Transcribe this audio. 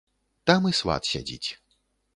Там і сват сядзіць.